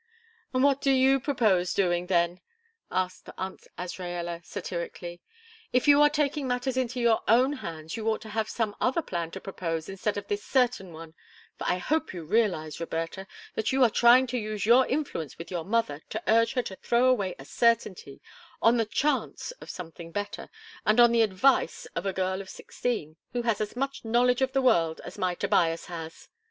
"What do you propose doing, then?" asked Aunt Azraella, satirically. "If you are taking matters into your own hands you ought to have some other plan to propose instead of this certain one for I hope you realize, Roberta, that you are trying to use your influence with your mother to urge her to throw away a certainty, on the chance of something better, and on the advice of a girl of sixteen, who has as much knowledge of the world as my Tobias has."